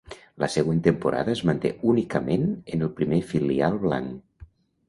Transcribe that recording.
La següent temporada, es manté únicament en el primer filial blanc.